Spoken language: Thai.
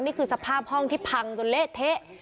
นี่คือสภาพห้องที่พังจนเละเทะ